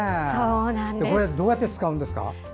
これ、どうやって使うんですか？